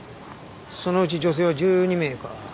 そのうち女性は１２名か。